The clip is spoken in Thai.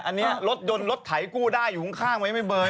อันนี้รถยนต์รถไถกู้ได้อยู่ข้างไว้เบอร์ไอ้ฟังเนี่ย